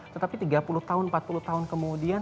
tetapi tiga puluh tahun empat puluh tahun kemudian